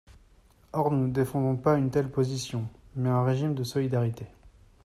Or nous ne défendons pas une telle position, mais un régime de solidarité.